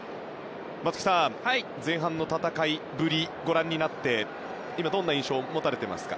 松木さん、前半の戦いぶりご覧になってどんな印象ですか？